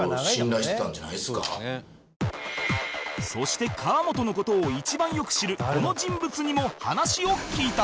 そして河本の事を一番よく知るこの人物にも話を聞いた